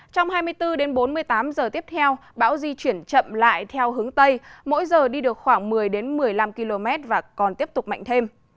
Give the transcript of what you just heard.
trong hai mươi bốn đến bốn mươi tám giờ tiếp theo bão di chuyển chậm lại theo hướng tây mỗi giờ đi được khoảng một mươi một mươi năm km và còn tiếp tục mạnh thêm